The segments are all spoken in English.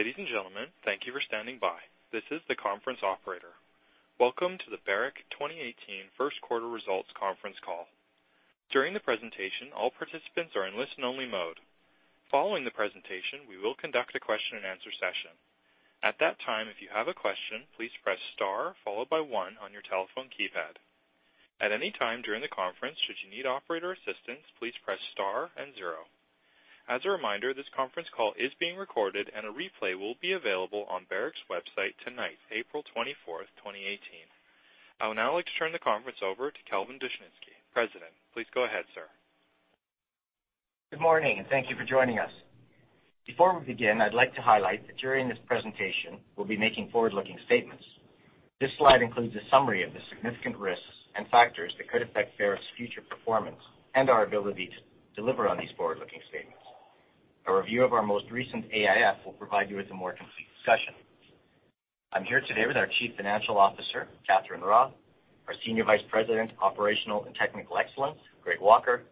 Ladies and gentlemen, thank you for standing by. This is the conference operator. Welcome to the Barrick 2018 first quarter results conference call. During the presentation, all participants are in listen-only mode. Following the presentation, we will conduct a question and answer session. At that time, if you have a question, please press star followed by one on your telephone keypad. At any time during the conference, should you need operator assistance, please press star and zero. As a reminder, this conference call is being recorded, and a replay will be available on Barrick's website tonight, April 24th, 2018. I would now like to turn the conference over to Kelvin Dushnisky, President. Please go ahead, sir. Good morning. Thank you for joining us. Before we begin, I'd like to highlight that during this presentation, we'll be making forward-looking statements. This slide includes a summary of the significant risks and factors that could affect Barrick's future performance and our ability to deliver on these forward-looking statements. A review of our most recent AIF will provide you with a more complete discussion. I'm here today with our Chief Financial Officer, Catherine Raw, our Senior Vice President, Operational and Technical Excellence, Greg Walker,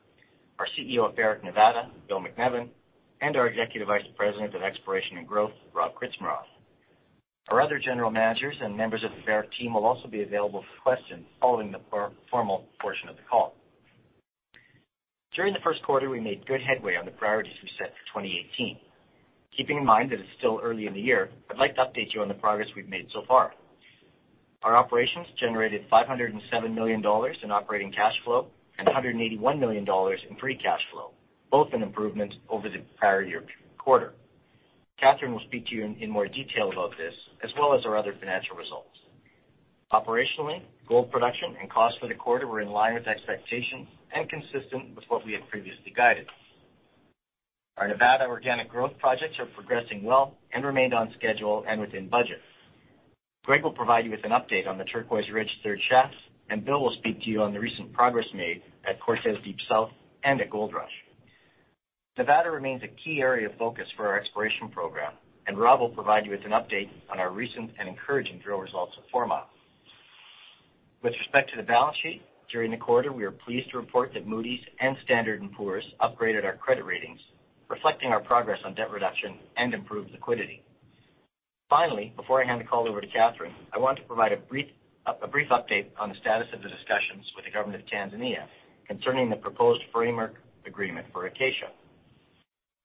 our CEO of Barrick Nevada, Bill MacNevin, and our Executive Vice President of Exploration and Growth, Rob Krcmarov. Our other general managers and members of the Barrick team will also be available for questions following the formal portion of the call. During the first quarter, we made good headway on the priorities we set for 2018. Keeping in mind that it's still early in the year, I'd like to update you on the progress we've made so far. Our operations generated $507 million in operating cash flow and $181 million in free cash flow, both an improvement over the prior year quarter. Catherine will speak to you in more detail about this, as well as our other financial results. Operationally, gold production and cost for the quarter were in line with expectations and consistent with what we had previously guided. Our Nevada organic growth projects are progressing well and remained on schedule and within budget. Greg will provide you with an update on the Turquoise Ridge third shaft, and Bill will speak to you on the recent progress made at Cortez Deep South and at Goldrush. Nevada remains a key area of focus for our exploration program. Rob will provide you with an update on our recent and encouraging drill results at Fourmile. With respect to the balance sheet, during the quarter, we are pleased to report that Moody's and Standard & Poor's upgraded our credit ratings, reflecting our progress on debt reduction and improved liquidity. Finally, before I hand the call over to Catherine, I want to provide a brief update on the status of the discussions with the government of Tanzania concerning the proposed framework agreement for Acacia.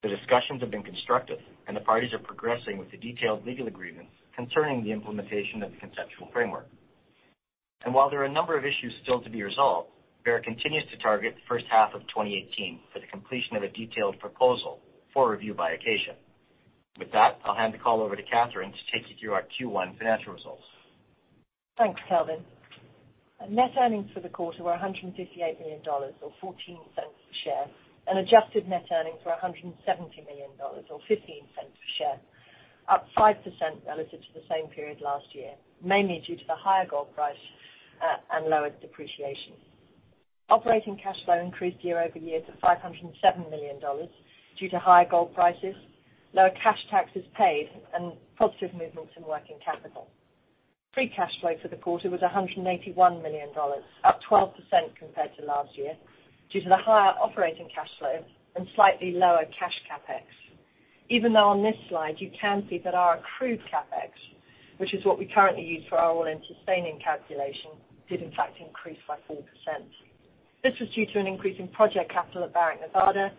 The discussions have been constructive. The parties are progressing with the detailed legal agreements concerning the implementation of the conceptual framework. While there are a number of issues still to be resolved, Barrick continues to target the first half of 2018 for the completion of a detailed proposal for review by Acacia. With that, I'll hand the call over to Catherine to take you through our Q1 financial results. Thanks, Kelvin. Net earnings for the quarter were $158 million, or $0.14 a share, and adjusted net earnings were $170 million, or $0.15 a share, up 5% relative to the same period last year, mainly due to the higher gold price, and lower depreciation. Operating cash flow increased year-over-year to $507 million due to higher gold prices, lower cash taxes paid, and positive movements in working capital. Free cash flow for the quarter was $181 million, up 12% compared to last year due to the higher operating cash flow and slightly lower cash CapEx. Even though on this slide, you can see that our accrued CapEx, which is what we currently use for our all-in sustaining calculation, did in fact increase by 4%. This was due to an increase in project capital at Barrick Nevada,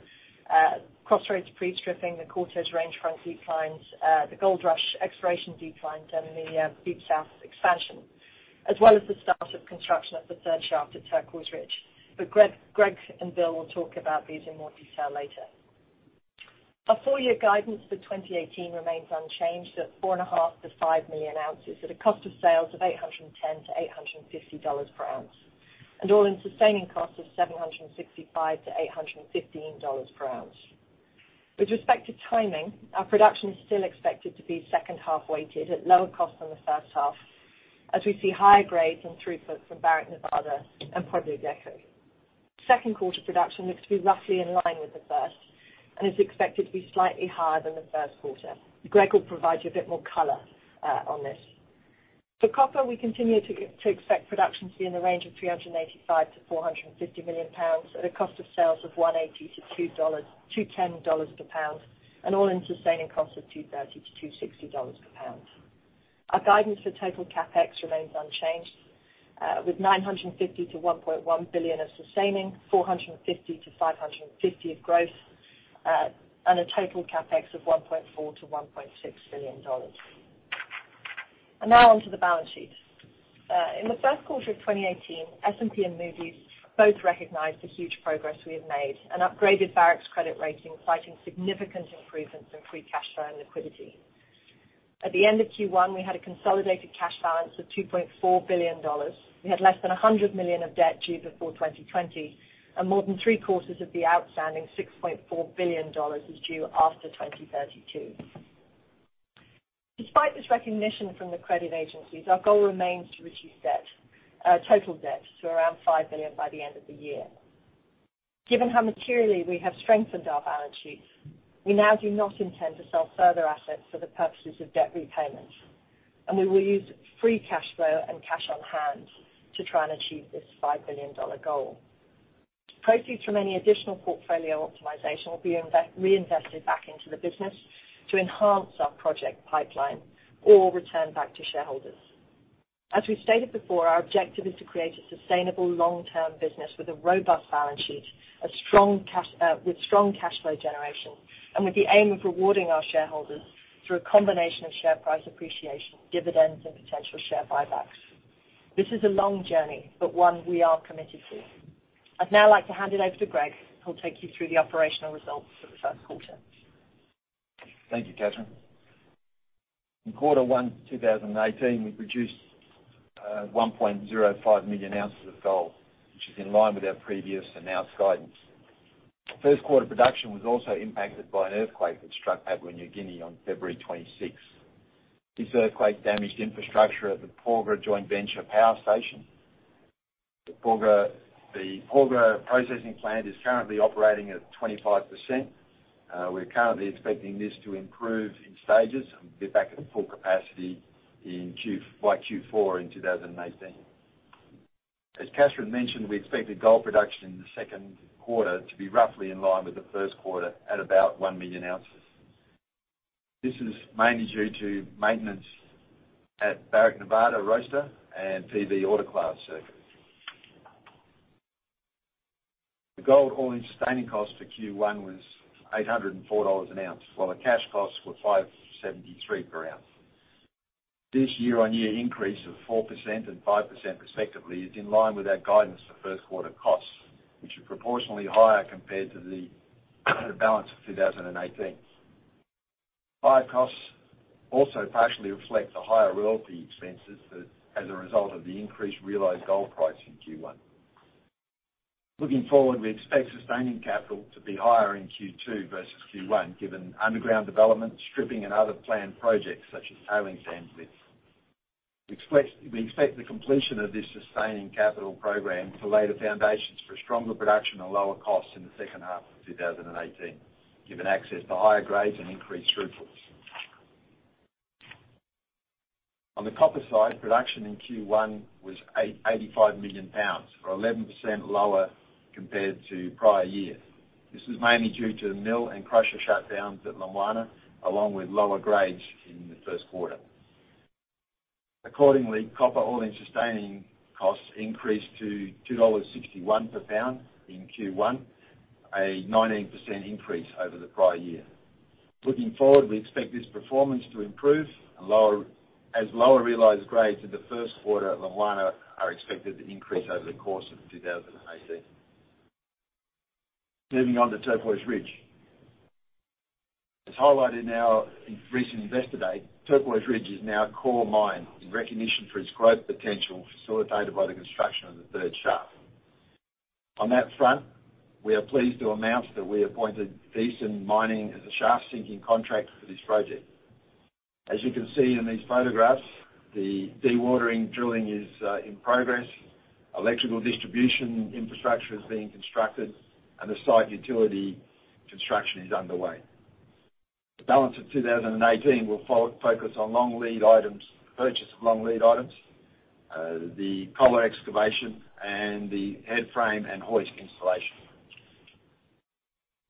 Crossroads pre-stripping, the Cortez Range Front declines, the Goldrush exploration declines, and the Deep South expansion, as well as the start of construction of the third shaft at Turquoise Ridge. Greg and Bill will talk about these in more detail later. Our full-year guidance for 2018 remains unchanged at four and a half to five million ounces at a cost of sales of $810-$850 per ounce, and All-In Sustaining Costs of $765-$815 per ounce. With respect to timing, our production is still expected to be second-half weighted at lower cost than the first half, as we see higher grades and throughput from Barrick Nevada and Pueblo Viejo. Second quarter production looks to be roughly in line with the first and is expected to be slightly higher than the first quarter. Greg will provide you a bit more color on this. For copper, we continue to expect production to be in the range of 385 million-450 million pounds at a cost of sales of $1.80-$2.10 per pound, and All-In Sustaining Costs of $2.30-$2.60 per pound. Our guidance for total CapEx remains unchanged, with $950 million to $1.1 billion of sustaining, $450 million-$550 million of growth, and a total CapEx of $1.4 billion-$1.6 billion. Now on to the balance sheet. In the first quarter of 2018, S&P and Moody's both recognized the huge progress we have made and upgraded Barrick's credit rating, citing significant improvements in free cash flow and liquidity. At the end of Q1, we had a consolidated cash balance of $2.4 billion. We had less than $100 million of debt due before 2020, and more than three-quarters of the outstanding $6.4 billion is due after 2032. Despite this recognition from the credit agencies, our goal remains to reduce total debt to around $5 billion by the end of the year. Given how materially we have strengthened our balance sheet, we now do not intend to sell further assets for the purposes of debt repayment, and we will use free cash flow and cash on hand to try and achieve this $5 billion goal. Proceeds from any additional portfolio optimization will be reinvested back into the business to enhance our project pipeline or return back to shareholders. As we've stated before, our objective is to create a sustainable long-term business with a robust balance sheet, with strong cash flow generation, and with the aim of rewarding our shareholders through a combination of share price appreciation, dividends, and potential share buybacks. This is a long journey, but one we are committed to. I'd now like to hand it over to Greg, who'll take you through the operational results for the first quarter. Thank you, Catherine. In quarter one 2018, we produced 1.05 million ounces of gold, which is in line with our previous announced guidance. First quarter production was also impacted by an earthquake that struck Papua New Guinea on February 26th. This earthquake damaged infrastructure at the Porgera joint venture power station. The Porgera processing plant is currently operating at 25%. We're currently expecting this to improve in stages and be back at full capacity by Q4 in 2018. As Catherine mentioned, we expected gold production in the second quarter to be roughly in line with the first quarter at about 1 million ounces. This is mainly due to maintenance at Barrick Nevada roaster and PV autoclave circuits. The gold All-In Sustaining Cost for Q1 was $804 an ounce, while the cash costs were $573 per ounce. This year-on-year increase of 4% and 5% respectively is in line with our guidance for first quarter costs, which are proportionally higher compared to the balance of 2018. Higher costs also partially reflect the higher royalty expenses as a result of the increased realized gold price in Q1. Looking forward, we expect sustaining capital to be higher in Q2 versus Q1, given underground development, stripping, and other planned projects such as tailings dams lifts. We expect the completion of this sustaining capital program to lay the foundations for stronger production and lower costs in the second half of 2018, given access to higher grades and increased throughputs. On the copper side, production in Q1 was 85 million pounds, or 11% lower compared to prior year. This was mainly due to the mill and crusher shutdowns at Lumwana, along with lower grades in the first quarter. Accordingly, copper All-In Sustaining Costs increased to $2.61 per pound in Q1, a 19% increase over the prior year. Looking forward, we expect this performance to improve as lower realized grades in the first quarter at Lumwana are expected to increase over the course of 2018. Moving on to Turquoise Ridge. As highlighted in our recent investor day, Turquoise Ridge is now a core mine in recognition for its growth potential, facilitated by the construction of the third shaft. On that front, we are pleased to announce that we appointed Thyssen Mining as a shaft-sinking contractor for this project. As you can see in these photographs, the dewatering drilling is in progress, electrical distribution infrastructure is being constructed, and the site utility construction is underway. The balance of 2018 will focus on purchase of long lead items, the collar excavation, and the headframe and hoist installation.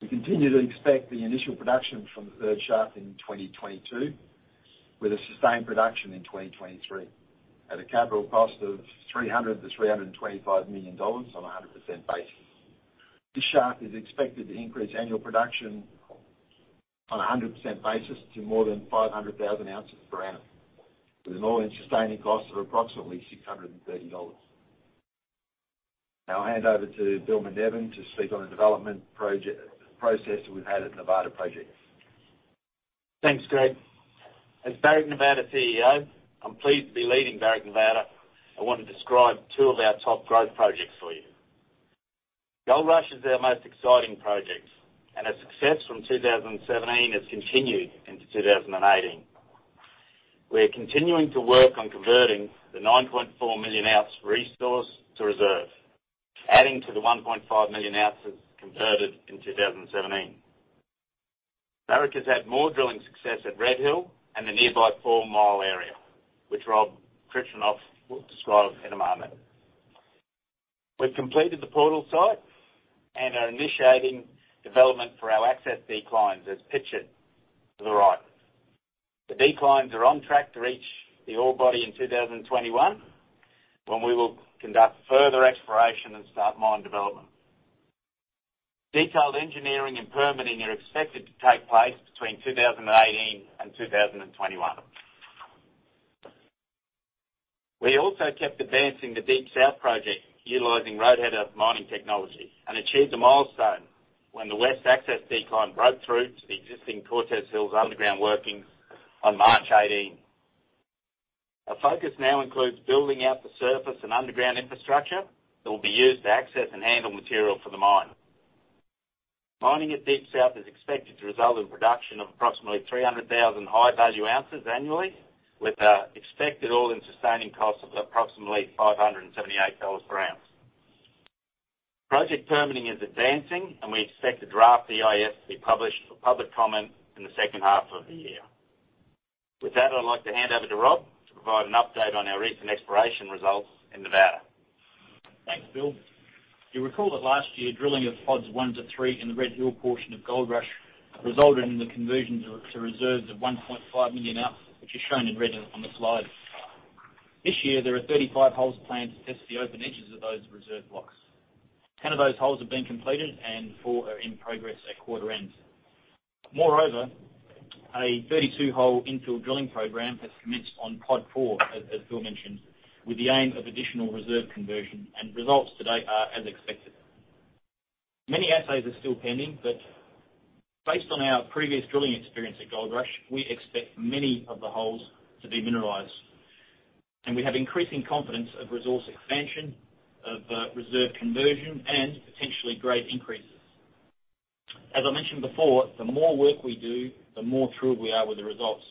We continue to expect the initial production from the third shaft in 2022, with a sustained production in 2023 at a capital cost of $300 million-$325 million on a 100% basis. This shaft is expected to increase annual production on a 100% basis to more than 500,000 ounces per annum with an All-In Sustaining Cost of approximately $630. Now I'll hand over to Bill MacNevin to speak on the development process that we've had at Nevada projects. Thanks, Greg. As Barrick Nevada CEO, I'm pleased to be leading Barrick Nevada. I want to describe two of our top growth projects for you. Goldrush is our most exciting project, and its success from 2017 has continued into 2018. We are continuing to work on converting the 9.4 million ounce resource to reserve, adding to the 1.5 million ounces converted in 2017. Barrick has had more drilling success at Red Hill and the nearby Fourmile area, which Rob Krcmarov will describe in a moment. We've completed the portal site and are initiating development for our access declines, as pictured to the right. The declines are on track to reach the ore body in 2021, when we will conduct further exploration and start mine development. Detailed engineering and permitting are expected to take place between 2018 and 2021. We also kept advancing the Deep South project, utilizing roadheader mining technology, and achieved a milestone when the west access decline broke through to the existing Cortez Hills underground workings on March 18. Our focus now includes building out the surface and underground infrastructure that will be used to access and handle material for the mine. Mining at Deep South is expected to result in production of approximately 300,000 high-value ounces annually, with expected All-In Sustaining Costs of approximately $578 per ounce. Project permitting is advancing, and we expect the draft EIS to be published for public comment in the second half of the year. With that, I'd like to hand over to Rob to provide an update on our recent exploration results in Nevada. Thanks, Bill. You'll recall that last year, drilling of pods one to three in the Red Hill portion of Goldrush resulted in the conversion to reserves of 1.5 million ounces, which is shown in red on the slide. This year, there are 35 holes planned to test the open edges of those reserve blocks. 10 of those holes have been completed, and four are in progress at quarter end. Moreover, a 32-hole infill drilling program has commenced on pod four, as Bill mentioned, with the aim of additional reserve conversion, and results to date are as expected. Many assays are still pending, but based on our previous drilling experience at Goldrush, we expect many of the holes to be mineralized. We have increasing confidence of resource expansion, of reserve conversion, and potentially grade increases. As I mentioned before, the more work we do, the more thrilled we are with the results,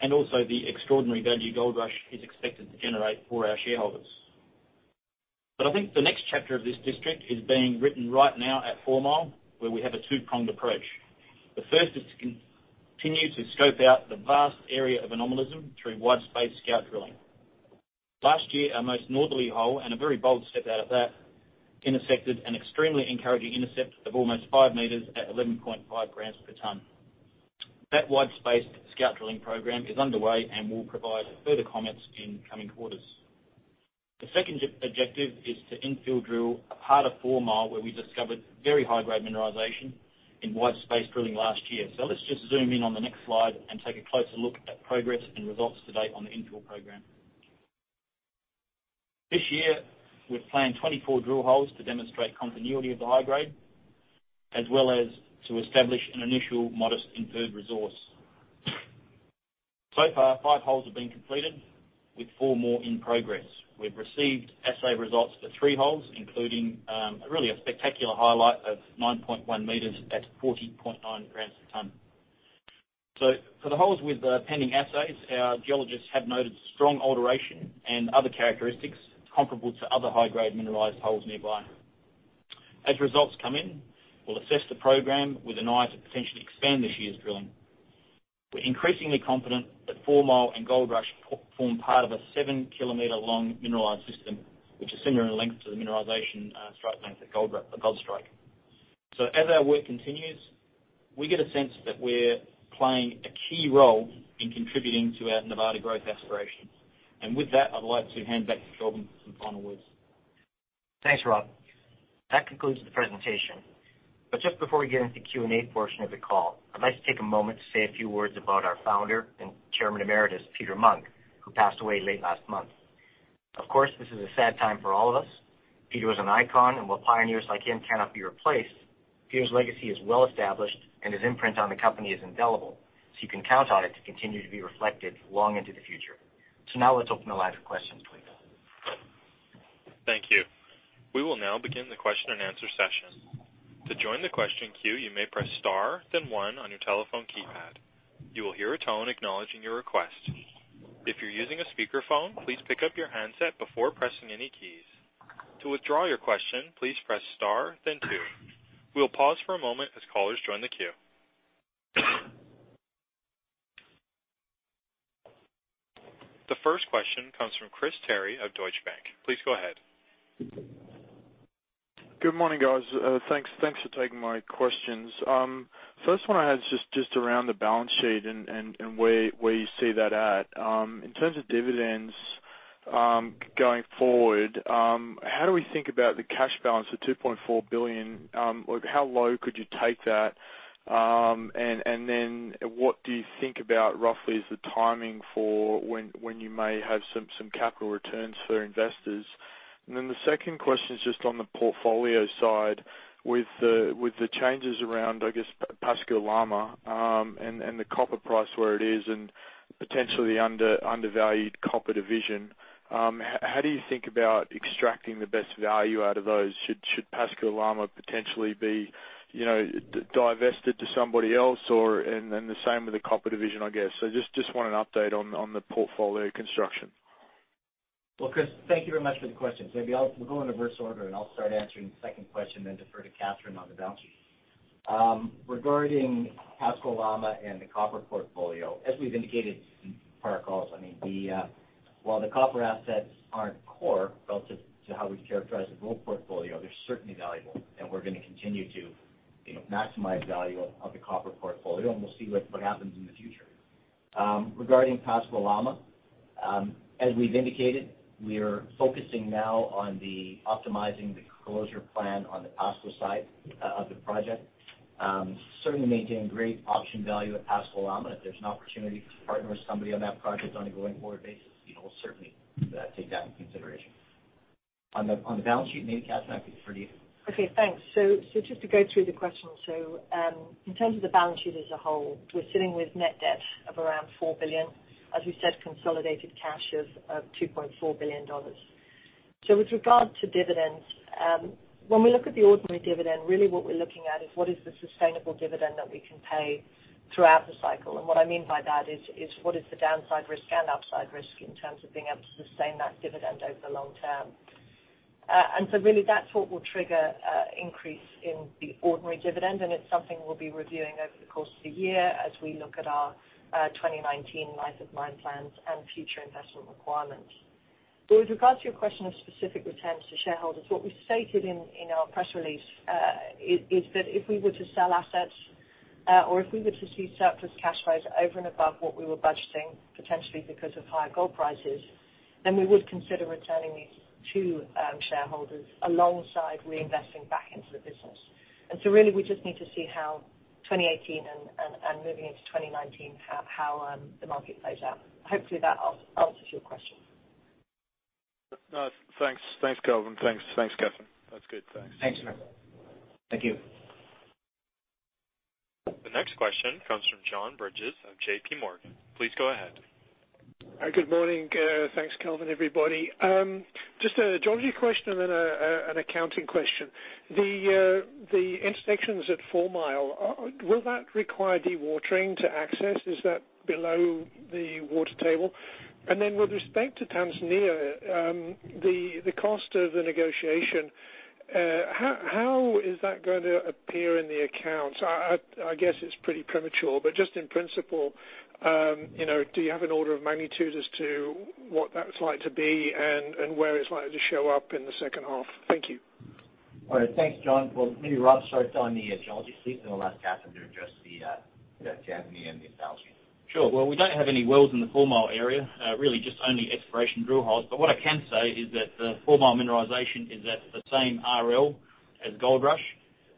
and also the extraordinary value Goldrush is expected to generate for our shareholders. I think the next chapter of this district is being written right now at Fourmile, where we have a two-pronged approach. The first is to continue to scope out the vast area of anomalism through wide-spaced scout drilling. Last year, our most northerly hole, and a very bold step out at that, intersected an extremely encouraging intercept of almost five meters at 11.5 grams per ton. That wide-spaced scout drilling program is underway and we'll provide further comments in coming quarters. The second objective is to infill drill a part of Fourmile, where we discovered very high-grade mineralization in wide-spaced drilling last year. Let's just zoom in on the next slide and take a closer look at progress and results to date on the infill program. This year, we've planned 24 drill holes to demonstrate continuity of the high grade, as well as to establish an initial modest inferred resource. So far, five holes have been completed with four more in progress. We've received assay results for three holes, including really a spectacular highlight of 9.1 meters at 40.9 grams a ton. For the holes with pending assays, our geologists have noted strong alteration and other characteristics comparable to other high-grade mineralized holes nearby. As results come in, we'll assess the program with an eye to potentially expand this year's drilling. We're increasingly confident that Fourmile and Goldrush form part of a seven-kilometer-long mineralized system, which is similar in length to the mineralization strike length at Goldstrike. As our work continues, we get a sense that we're playing a key role in contributing to our Nevada growth aspirations. With that, I'd like to hand back to Bill for some final words. Thanks, Rob. That concludes the presentation. Just before we get into the Q&A portion of the call, I'd like to take a moment to say a few words about our founder and chairman emeritus, Peter Munk, who passed away late last month. Of course, this is a sad time for all of us. Peter was an icon, and while pioneers like him cannot be replaced, Peter's legacy is well-established and his imprint on the company is indelible. You can count on it to continue to be reflected long into the future. Now let's open the line for questions, please. Thank you. We will now begin the question and answer session. To join the question queue, you may press star then one on your telephone keypad. You will hear a tone acknowledging your request. If you're using a speakerphone, please pick up your handset before pressing any keys. To withdraw your question, please press star then two. We'll pause for a moment as callers join the queue. The first question comes from Chris Terry of Deutsche Bank. Please go ahead. Good morning, guys. Thanks for taking my questions. First one I had is just around the balance sheet and where you see that at. In terms of dividends going forward, how do we think about the cash balance of $2.4 billion? How low could you take that? Then what do you think about roughly is the timing for when you may have some capital returns for investors? Then the second question is just on the portfolio side with the changes around, I guess, Pascua-Lama, and the copper price where it is and potentially undervalued copper division. How do you think about extracting the best value out of those? Should Pascua-Lama potentially be divested to somebody else? The same with the copper division, I guess. Just want an update on the portfolio construction. Well, Chris, thank you very much for the question. Maybe we'll go in reverse order, I'll start answering the second question, then defer to Catherine on the balance sheet. Regarding Pascua Lama and the copper portfolio, as we've indicated in prior calls, while the copper assets aren't core relative to how we characterize the gold portfolio, they're certainly valuable, we're going to continue to maximize value of the copper portfolio, we'll see what happens in the future. Regarding Pascua Lama, as we've indicated, we're focusing now on optimizing the closure plan on the Pascua side of the project. Certainly maintaining great option value at Pascua Lama. If there's an opportunity to partner with somebody on that project on a going-forward basis, we will certainly take that into consideration. On the balance sheet, maybe Catherine, I could defer to you. Okay, thanks. Just to go through the question. In terms of the balance sheet as a whole, we're sitting with net debt of around $4 billion. As we said, consolidated cash is $2.4 billion. With regard to dividends, when we look at the ordinary dividend, really what we're looking at is what is the sustainable dividend that we can pay throughout the cycle. What I mean by that is what is the downside risk and upside risk in terms of being able to sustain that dividend over the long term? Really that's what will trigger an increase in the ordinary dividend, it's something we'll be reviewing over the course of the year as we look at our 2019 life of mine plans and future investment requirements. With regards to your question of specific returns to shareholders, what we stated in our press release, is that if we were to sell assets or if we were to see surplus cash flows over and above what we were budgeting, potentially because of higher gold prices, then we would consider returning these to shareholders alongside reinvesting back into the business. Really we just need to see how 2018 and moving into 2019, how the market plays out. Hopefully that answers your question. Thanks, Kelvin. Thanks, Catherine. That's good. Thanks. Thanks. Thank you. The next question comes from John Bridges of JPMorgan. Please go ahead. Good morning. Thanks, Kelvin, everybody. Just a geology question and then an accounting question. The intersections at Fourmile, will that require dewatering to access? Is that below the water table? Then with respect to Tanzania, the cost of the negotiation, how is that going to appear in the accounts? I guess it's pretty premature, but just in principle, do you have an order of magnitude as to what that's like to be and where it's likely to show up in the second half? Thank you. Well, thanks, John. Well, maybe Rob starts on the geology piece, and I'll ask Catherine to address the Tanzania and the accounting. Well, we don't have any wells in the Fourmile area. Really just only exploration drill holes. What I can say is that the Fourmile mineralization is at the same RL as Goldrush,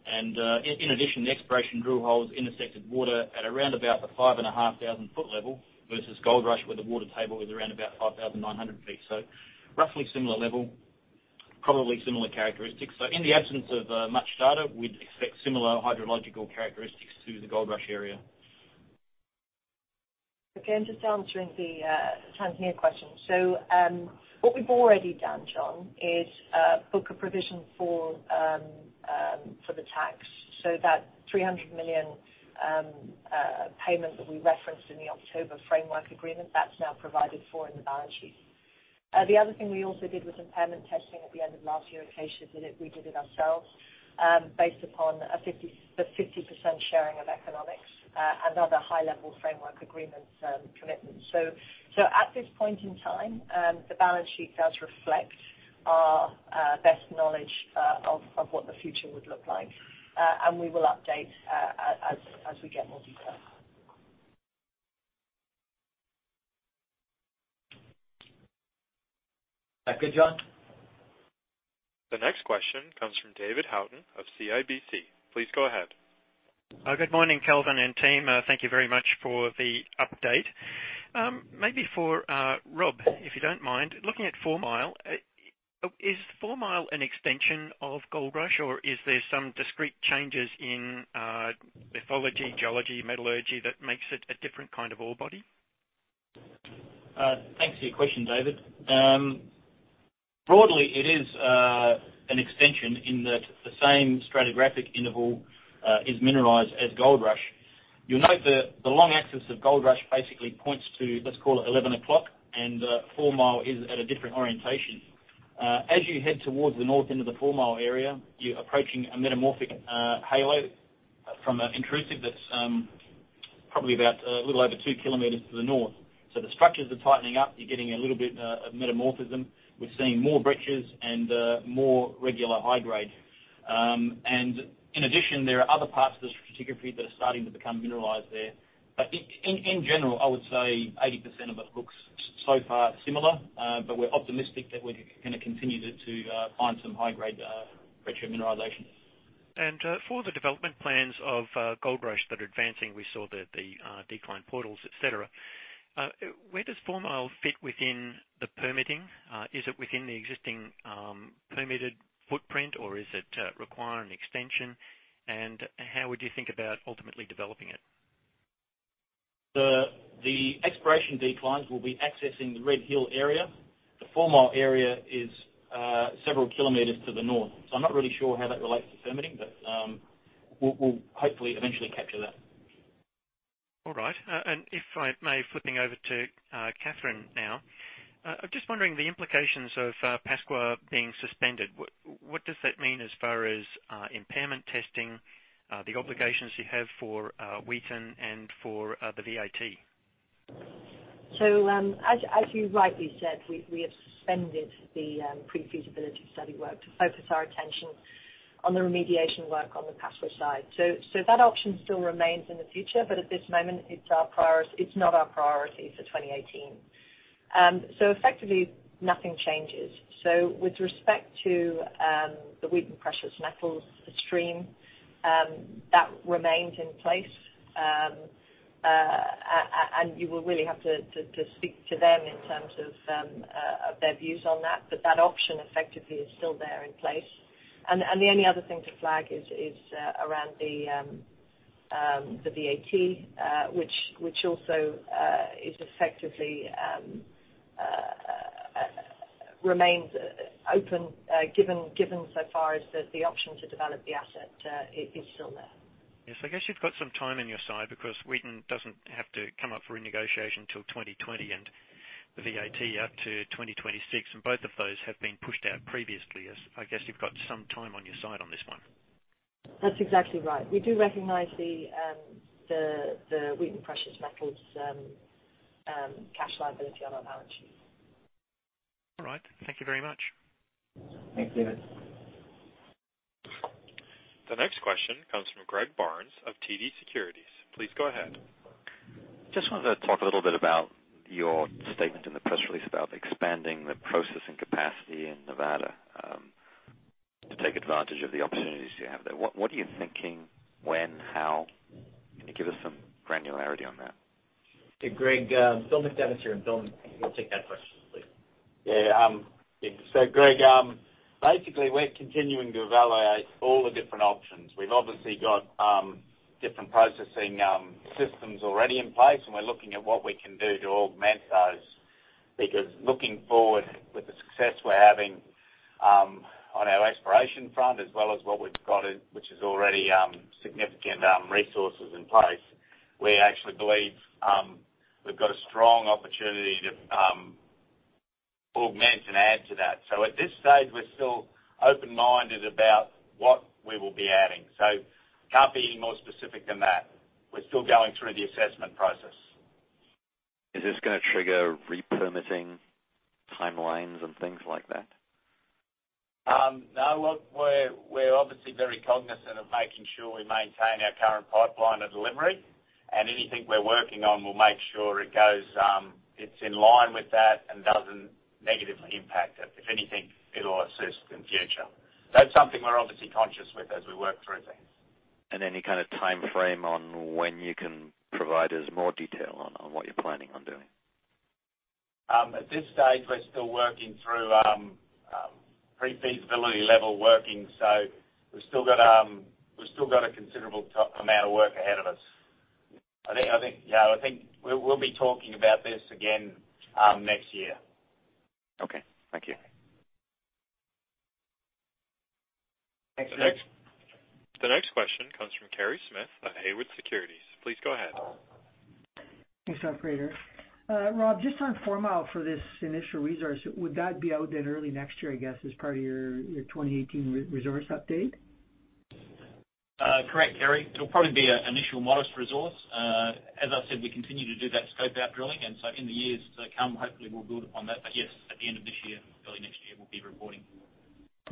and in addition, the exploration drill holes intersected water at around about the 5,500 foot level versus Goldrush, where the water table is around about 5,900 feet. Roughly similar level, probably similar characteristics. In the absence of much data, we'd expect similar hydrological characteristics to the Goldrush area. Again, just answering the Tanzania question. What we've already done, John, is book a provision for the tax. That $300 million payment that we referenced in the October framework agreement, that's now provided for in the balance sheet. The other thing we also did was impairment testing at the end of last year, in case you did it, we did it ourselves, based upon the 50% sharing of economics, and other high-level framework agreement commitments. At this point in time, the balance sheet does reflect our best knowledge of what the future would look like. We will update as we get more details. That good, John? The next question comes from David Haughton of CIBC. Please go ahead. Good morning, Kelvin and team. Thank you very much for the update. Maybe for Rob, if you don't mind, looking at Fourmile, is Fourmile an extension of Goldrush, or are there some discrete changes in lithology, geology, metallurgy that makes it a different kind of ore body? Thanks for your question, David. Broadly, it is an extension in that the same stratigraphic interval is mineralized as Goldrush. You'll note that the long axis of Goldrush basically points to, let's call it 11 o'clock, and Fourmile is at a different orientation. As you head towards the north end of the Fourmile area, you're approaching a metamorphic halo from an intrusive that's probably about a little over two km to the north. The structures are tightening up. You're getting a little bit of metamorphism. We're seeing more breccias and more regular high grade. In addition, there are other parts of the stratigraphy that are starting to become mineralized there. In general, I would say 80% of it looks so far similar, but we're optimistic that we're going to continue to find some high-grade breccia mineralization. For the development plans of Goldrush that are advancing, we saw the decline portals, et cetera. Where does Fourmile fit within the permitting? Is it within the existing permitted footprint, or does it require an extension? How would you think about ultimately developing it? The exploration declines will be accessing the Red Hill area. The Fourmile area is several km to the north, I'm not really sure how that relates to permitting, we'll hopefully eventually capture that. If I may, flipping over to Catherine now. I'm just wondering the implications of Pascua being suspended. What does that mean as far as impairment testing, the obligations you have for Wheaton and for the VAT? As you rightly said, we have suspended the pre-feasibility study work to focus our attention on the remediation work on the Pascua side. That option still remains in the future, but at this moment, it's not our priority for 2018. Effectively nothing changes. With respect to the Wheaton Precious Metals stream, that remains in place. You will really have to speak to them in terms of their views on that. That option effectively is still there in place. The only other thing to flag is around the VAT, which also effectively remains open, given so far as the option to develop the asset is still there. Yes, I guess you've got some time on your side because Wheaton doesn't have to come up for renegotiation till 2020 and the VAT up to 2026, both of those have been pushed out previously. I guess you've got some time on your side on this one. That's exactly right. We do recognize the Wheaton Precious Metals cash liability on our balance sheet. All right. Thank you very much. Thanks, David. The next question comes from Greg Barnes of TD Securities. Please go ahead. Just wanted to talk a little bit about your statement in the press release about expanding the processing capacity in Nevada to take advantage of the opportunities you have there. What are you thinking? When, how? Can you give us some granularity on that? To Greg, Bill MacNevin's here, Bill will take that question, please. Yeah. Greg, basically, we're continuing to evaluate all the different options. We've obviously got different processing systems already in place, we're looking at what we can do to augment those. Looking forward with the success we're having on our exploration front, as well as what we've got, which is already significant resources in place, we actually believe we've got a strong opportunity to augment and add to that. At this stage, we're still open-minded about what we will be adding. Can't be any more specific than that. We're still going through the assessment process. Is this going to trigger re-permitting timelines and things like that? No. Look, we're obviously very cognizant of making sure we maintain our current pipeline of delivery, anything we're working on, we'll make sure it's in line with that and doesn't negatively impact it. If anything, it'll assist in the future. It's something we're obviously conscious with as we work through things. Any kind of timeframe on when you can provide us more detail on what you're planning on doing? At this stage, we're still working through pre-feasibility level working, so we've still got a considerable amount of work ahead of us. I think we'll be talking about this again next year. Okay. Thank you. Thanks. The next question comes from Kerry Smith of Haywood Securities. Please go ahead. Thanks, operator. Rob, just on Fourmile for this initial resource, would that be out then early next year, I guess, as part of your 2018 re-resource update? Correct, Kerry. It'll probably be an initial modest resource. As I said, we continue to do that scope-out drilling, in the years to come, hopefully we'll build upon that. Yes, at the end of this year, early next year, we'll be reporting.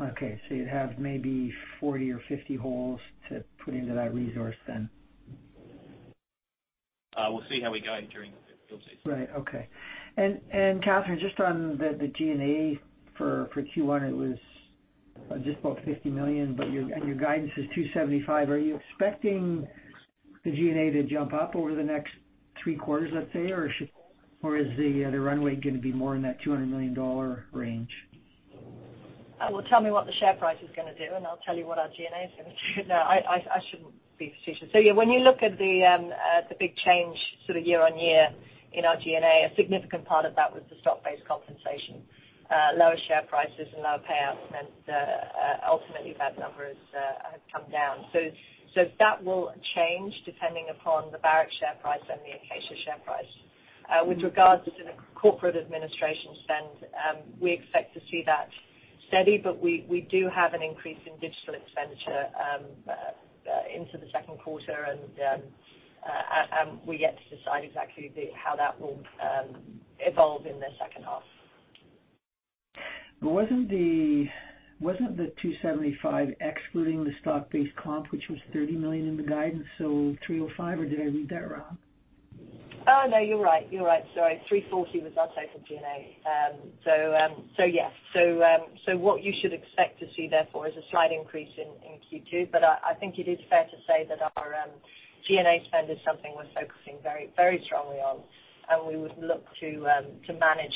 Okay, you'd have maybe 40 or 50 holes to put into that resource then? We'll see how we go during the field season. Right. Okay. Catherine, just on the G&A for Q1, it was just about $50 million, and your guidance is $275 million. Are you expecting the G&A to jump up over the next three quarters, let's say, or is the runway going to be more in that $200 million range? Well, tell me what the share price is going to do, and I'll tell you what our G&A is going to do. No, I shouldn't be facetious. Yeah, when you look at the big change sort of year-on-year in our G&A, a significant part of that was the stock-based compensation. Lower share prices and lower payouts meant ultimately that number has come down. That will change depending upon the Barrick share price and the Acacia share price. With regards to the corporate administration spend, we expect to see that steady, but we do have an increase in digital expenditure into the second quarter, and we're yet to decide exactly how that will evolve in the second half. Wasn't the $275 million excluding the stock-based comp, which was $30 million in the guidance, $305 million, or did I read that wrong? Oh, no, you're right. Sorry, $340 million was our level of G&A. Yes. What you should expect to see therefore is a slight increase in Q2. I think it is fair to say that our G&A spend is something we're focusing very strongly on, and we would look to manage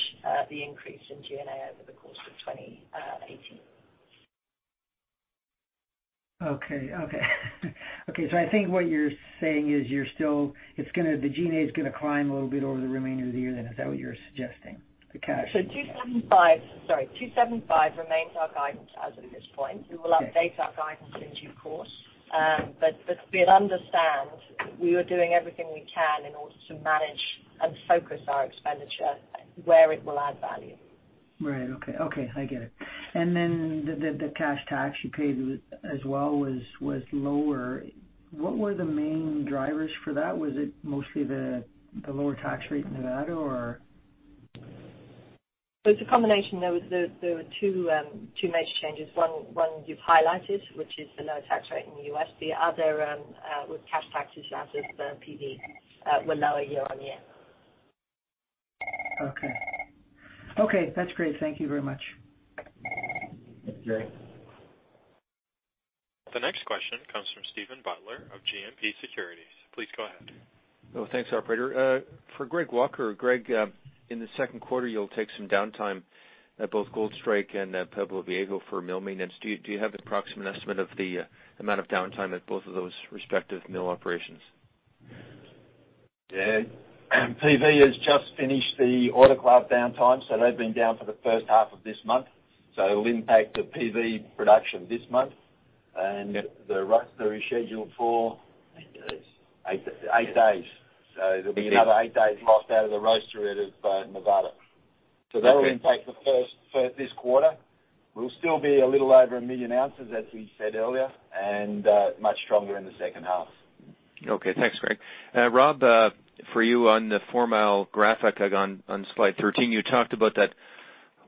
the increase in G&A over the course of 2018. Okay. I think what you're saying is the G&A's going to climb a little bit over the remainder of the year, then. Is that what you're suggesting, the cash? $275 remains our guidance as of this point. We will update our guidance in due course. We understand we are doing everything we can in order to manage and focus our expenditure where it will add value. Right. Okay. I get it. Then the cash tax you paid as well was lower. What were the main drivers for that? Was it mostly the lower tax rate in Nevada? It's a combination. There were two major changes. One you've highlighted, which is the lower tax rate in the U.S. The other with cash taxes, as with the PV, were lower year-on-year. Okay. That's great. Thank you very much. Thanks, Kerry. The next question comes from Steven Butler of GMP Securities. Please go ahead. Oh, thanks, operator. For Greg Walker. Greg, in the second quarter, you'll take some downtime at both Goldstrike and Pueblo Viejo for mill maintenance. Do you have a approximate estimate of the amount of downtime at both of those respective mill operations? Yeah. Pueblo Viejo has just finished the autoclave downtime, so they've been down for the first half of this month, so it'll impact the Pueblo Viejo production this month. The roaster is scheduled for Eight days. There'll be another eight days lost out of the roaster out of Nevada. That will impact this quarter. We'll still be a little over a million ounces, as we said earlier, and much stronger in the second half. Okay. Thanks, Greg. Rob, for you on the Fourmile graphic on slide 13, you talked about that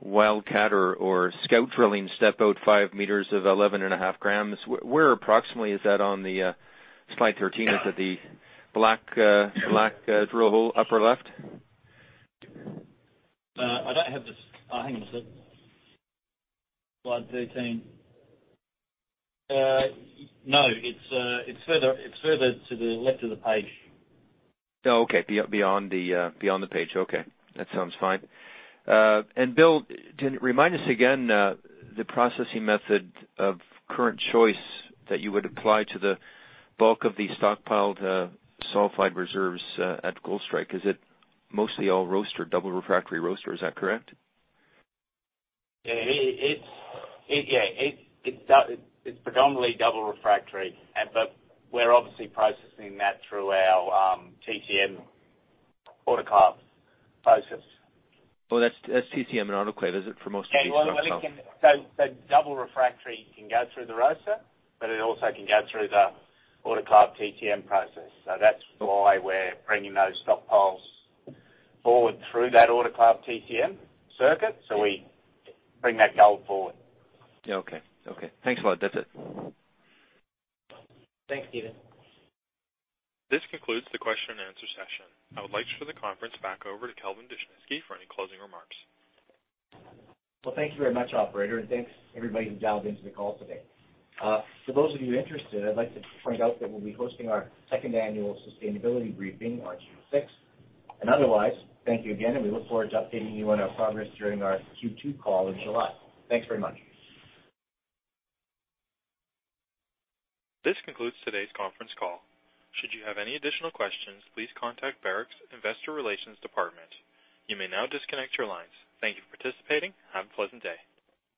wildcat or scout drilling step out five meters of 11.5 grams. Where approximately is that on the slide 13? Is it the black drill hole, upper left? I don't have the Hang on a second. Slide 13. No, it's further to the left of the page. Okay. Beyond the page. Okay, that sounds fine. Bill, remind us again, the processing method of current choice that you would apply to the bulk of the stockpiled sulfide reserves at Goldstrike. Is it mostly all roaster, double refractory roaster, is that correct? Yeah. It's predominantly double refractory. We're obviously processing that through our TTM autoclave process. That's TTM and autoclave, is it, for most of these stockpiles? Double refractory can go through the roaster, but it also can go through the autoclave TTM process. That's why we're bringing those stockpiles forward through that autoclave TTM circuit. We bring that gold forward. Okay. Thanks a lot. That's it. Thanks, Steven. This concludes the question and answer session. I would like to hand the conference back over to Kelvin Dushnisky for any closing remarks. Well, thank you very much, operator, and thanks everybody who dialed into the call today. For those of you interested, I'd like to point out that we'll be hosting our second annual sustainability briefing on June 6th. Otherwise, thank you again, and we look forward to updating you on our progress during our Q2 call in July. Thanks very much. This concludes today's conference call. Should you have any additional questions, please contact Barrick's investor relations department. You may now disconnect your lines. Thank you for participating. Have a pleasant day.